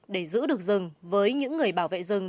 để giữ được rừng với những người bảo vệ rừng